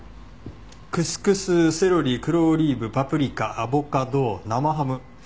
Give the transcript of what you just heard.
クスクスセロリ黒オリーブパプリカアボカド生ハム食塩と麹。